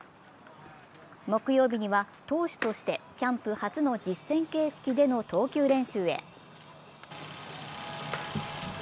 木曜日には投手としてキャンプ初の実戦形式での投球練習へ。